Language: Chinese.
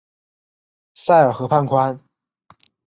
塞尔河畔宽。